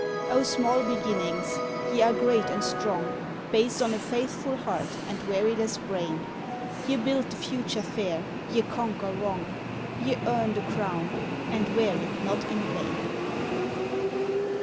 O small beginnings, ye are great and strong, Based on a faithful heart and weariless brain! Ye build the future fair, ye conquer wrong, Ye earn the crown, and wear it not in vain.